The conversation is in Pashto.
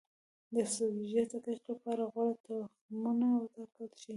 د سبزیجاتو د کښت لپاره غوره تخمونه وټاکل شي.